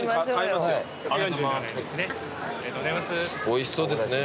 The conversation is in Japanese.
おいしそうですね